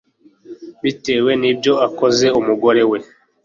bitewe n'ibyo akoze, umugore we